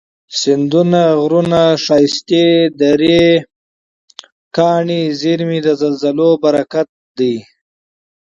سیندونه، غرونه، ښایستې درې، کاني زیرمي، د زلزلو برکت دی